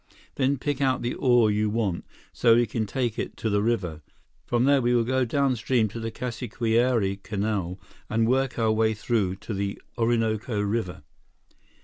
Then pick out the ore you want, so we can take it to the river. From there, we will go downstream to the Casiquiare Canal and work our way through to the Orinoco River."